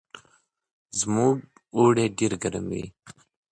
McMaster was born in Brooklyn, New York.